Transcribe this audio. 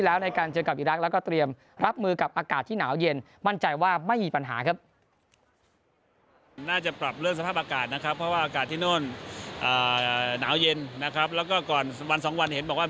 แล้วก็เครื่องมุ่งมุ่งโหมนะครับเสื้อแขนยาวอะไรกัน